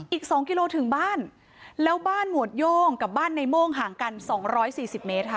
อีก๒กิโลถึงบ้านแล้วบ้านหมวดโย่งกับบ้านในโม่งห่างกันสองร้อยสี่สิบเมตรค่ะ